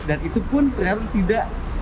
dan itupun ternyata tidak